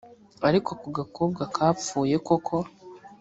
ariko ako gakobwa kapfuye koko